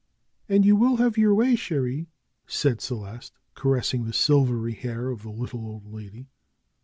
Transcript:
"And you will have your way, cherie," said Celeste, caressing the silvery hair of the little old lady.